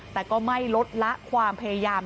แต่ก็ไม่ลดละความพยายาม